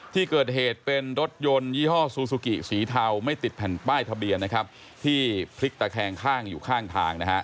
ที่เกิดเหตุเป็นรถยนต์ยี่ห้อซูซูกิสีเทาไม่ติดแผ่นป้ายทะเบียนนะครับที่พลิกตะแคงข้างอยู่ข้างทางนะฮะ